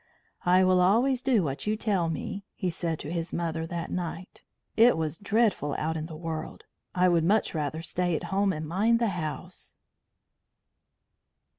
"I will always do what you tell me," he said to his mother that night. "It was dreadful out in the world. I would much rather stay at home and mind the house."